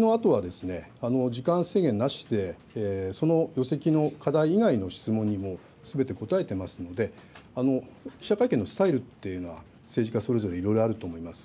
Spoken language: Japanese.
のあとは時間制限なしで、そのの質問にもすべて答えてますので、記者会見のスタイルというのは、政治家それぞれ、いろいろあると思います。